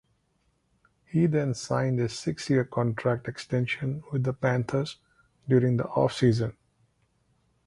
He then signed a six-year contract extension with the Panthers during the off-season.